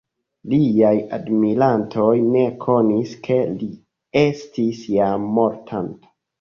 Liaj admirantoj ne konis ke li estis jam mortanta.